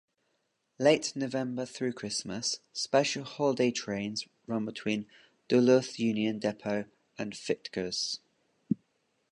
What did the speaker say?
Late November through Christmas, special holiday trains run between Duluth Union Depot and Fitgers.